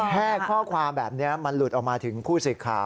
แค่ข้อความแบบนี้มันหลุดออกมาถึงผู้สื่อข่าว